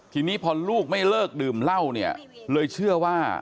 ทีนี้พอลูกไม่เลิกดื่มเหล้าเนี่ยเลยเชื่อว่า